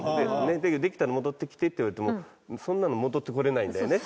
「できたら戻ってきて」って言われてもそんなの戻ってこれないんだよね。